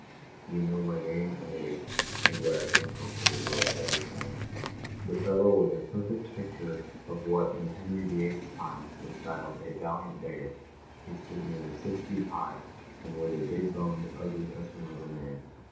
" You knows my name and age, and where I come from pretty well by this time." The fellow was a perfect picture of what in Henry the Eighth's time was styled a " valiant beggar." He stood nearly six feet high, and was a big boned, " ugly customer" of a man.